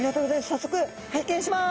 早速拝見します！